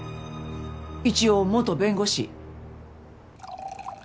一応元弁護士。